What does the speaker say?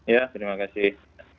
ya terima kasih